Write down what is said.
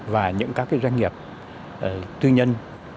và những các doanh nghiệp tư nhân